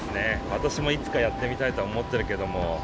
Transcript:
私もいつかやってみたいとは思ってるけれども。